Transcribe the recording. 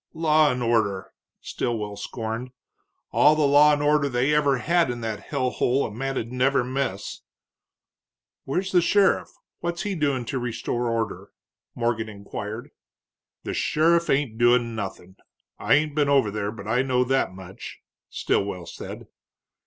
"Law and order!" Stilwell scorned. "All the law and order they ever had in that hell hole a man'd never miss." "Where's the sheriff what's he doing to restore order?" Morgan inquired. "The sheriff ain't doin' nothing. I ain't been over there, but I know that much," Stilwell said.